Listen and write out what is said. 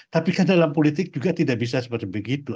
tapi kan dalam politik juga tidak bisa seperti begitu